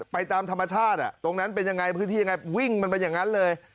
ไปตามธรรมชาติตรงนั้นเป็นยังไงพื้นที่ยังไงวิ่งมันเป็นอย่างนั้นเลย